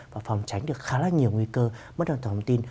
và phòng tránh được khá là nhiều nguy cơ mất an toàn thông tin